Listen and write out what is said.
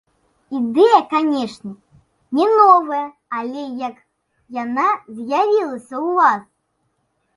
Ідэя, канешне, не новая, але як яна з'явілася ў вас?